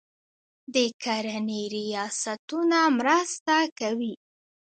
د کرنې ریاستونه مرسته کوي.